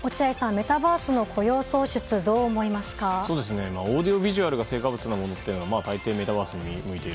メタバースの雇用創出オーディオビジュアルが成果物なものってたいていメタバースにむいている。